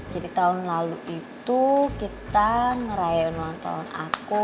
jadi tahun lalu itu kita ngerayain ulang tahun aku